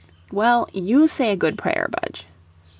"Well, you say a good prayer, Budge."